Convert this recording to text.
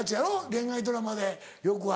恋愛ドラマでよくある。